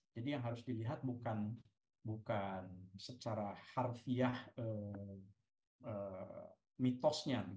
yang harus dilihat bukan secara harfiah mitosnya